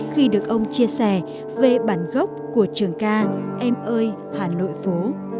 khi được ông chia sẻ về bản gốc của trường ca em ơi hà nội phố